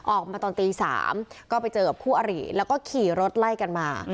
ออกมาตอนตี๓ก็ไปเจอกับคู่อริแล้วก็ขี่รถไล่กันมา